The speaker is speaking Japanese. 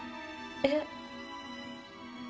えっ？